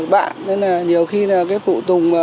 bạn nên là nhiều khi là cái phụ tùng